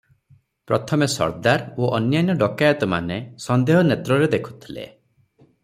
ପ୍ରଥମେ ସର୍ଦ୍ଦାର ଓ ଅନ୍ୟାନ୍ୟ ଡକାଏତମାନେ ସନ୍ଦେହ ନେତ୍ରରେ ଦେଖୁଥିଲେ ।